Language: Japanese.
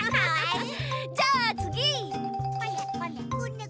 じゃあつぎ！